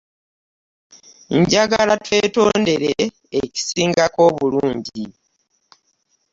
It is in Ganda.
Njagala twerondere ekisingako obulungi.